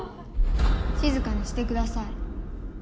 しずかにしてください。